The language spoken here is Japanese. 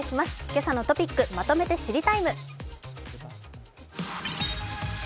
「けさのトピックまとめて知りＴＩＭＥ，」。